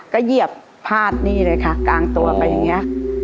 ก็เหยียบพาดนี่เลยค่ะกลางตัวไปอย่างนี้